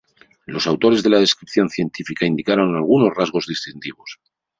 Los autores de la descripción científica indicaron algunos rasgos distintivos.